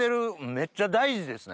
めっちゃ大事ですね。